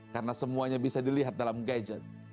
karena semuanya bisa dilihat dalam gadget